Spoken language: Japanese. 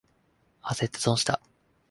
あせって損した。